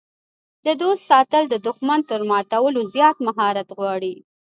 د دوست ساتل د دښمن تر ماتولو زیات مهارت غواړي.